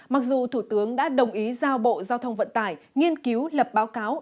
mặc dù thủ tướng đã đồng ý giao bộ giao thông vận tải nghiên cứu lập báo cáo